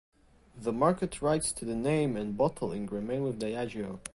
The market rights to the name and bottling remain with Diageo.